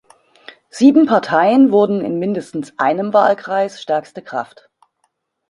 Sieben Parteien wurden in mindestens einem Wahlkreis stärkste Kraft.